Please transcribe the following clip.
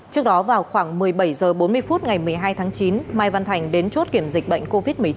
trước đó vào khoảng một mươi bảy h bốn mươi phút ngày một mươi hai tháng chín mai văn thành đến chốt kiểm dịch bệnh covid một mươi chín